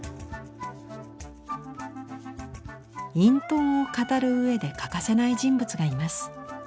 隠遁を語る上で欠かせない人物がいます。